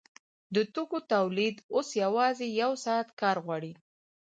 د توکو تولید اوس یوازې یو ساعت کار غواړي